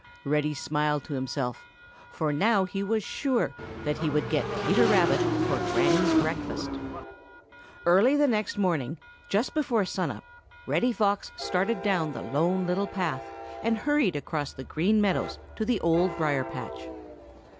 Reddy smiled to himself, for now he was sure that he would get Peter Rabbit for Granny's breakfast. Early the next morning, just before sun up, Reddy Fox started down the Lone Little Path and hurried across the Green Meadows to the Old Briar patch.